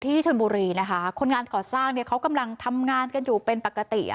ที่ชนบุรีในคนงานก่อสร้างกำลังทำงานอยู่เป็นปกติ